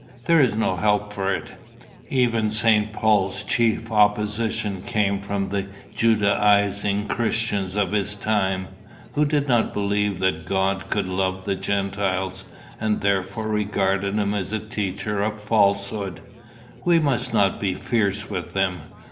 There is no help for it. Even St. Paul's chief opposition came from the Judaizing Christians of his time, who did not believe that God could love the Gentiles, and therefore regarded him as a teacher of falsehood. We must not be fierce with them.